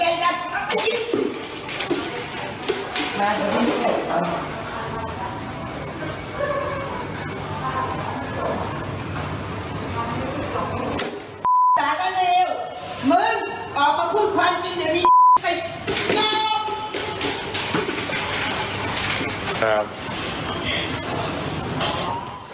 จ๋าก็เลวมึงออกมาพูดความจริงเดี๋ยวมีไป